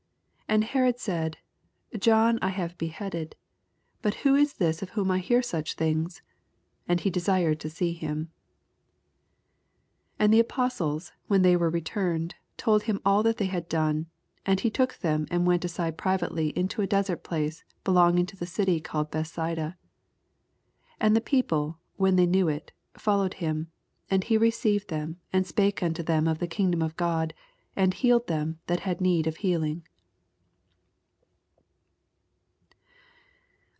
9 And Herod said, John have I beheaded : but who is this of whom I hear such things ? And he desired to see him. 10 And the apostles, when they were returned, told him all that they had done. And he took them, and went aside privately into a dfesert place belongmg to the city called Bethsaida. 11 And the people, when they knew Uy followed him : and he received them, and spake unto them of the kingdom of God, and healed them ihaii had need of healing.